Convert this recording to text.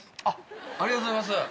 ありがとうございます。